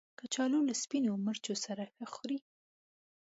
کچالو له سپینو مرچو سره ښه خوري